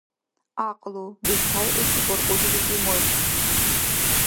ГӀякьлу: бетхӀеэси баркьудилизи майхъуд.